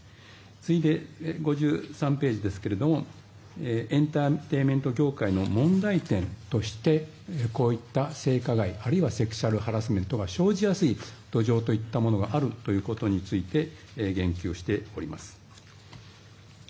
次いで、５３ページですがエンターテインメント業界の問題点としてこういった性加害、あるいはセクシュアルハラスメントが生じやすい土壌といったものがあるということについて言及しております。